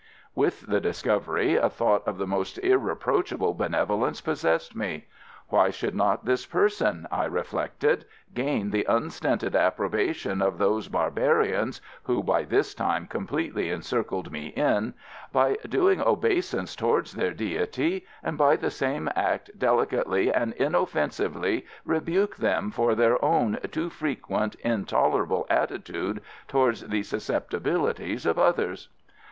With the discovery a thought of the most irreproachable benevolence possessed me. "Why should not this person," I reflected, "gain the unstinted approbation of those barbarians" (who by this time completely encircled me in) "by doing obeisance towards their deity, and by the same act delicately and inoffensively rebuke them for their own too frequent intolerable attitude towards the susceptibilities of others?